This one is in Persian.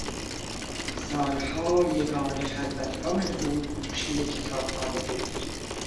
سالها یگانه خلوتگاه او گوشهی کتابخانه بود.